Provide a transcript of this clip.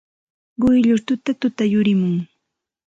Quyllur tutatuta yurimun.